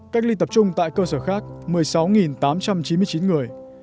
cách ly tập trung tại cơ sở khác một mươi sáu tám trăm chín mươi chín người